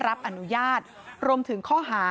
รับอนุญาตรวมถึงข้อหา